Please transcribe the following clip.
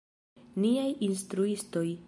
Niaj instruistoj.